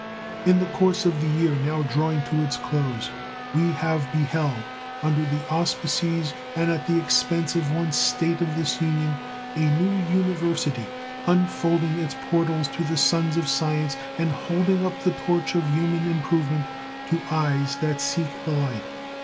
In the course of the year now drawing to its close we have beheld, under the auspices and at the expense of one State of this Union, a new university unfolding its portals to the sons of science and holding up the torch of human improvement to eyes that seek the light.